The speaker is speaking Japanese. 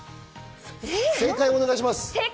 正解をお願いします。